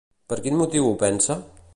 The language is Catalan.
Per quin motiu ho pensa?